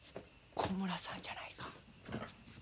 ・小村さんじゃないか？